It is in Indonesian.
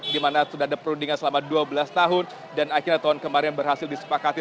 di mana sudah ada perundingan selama dua belas tahun dan akhirnya tahun kemarin berhasil disepakati